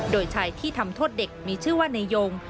โดยชายที่ทำโทษเด็กมีชื่อว่านายง